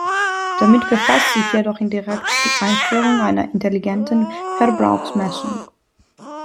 Damit befasst sich jedoch indirekt die Einführung einer intelligenten Verbrauchsmessung.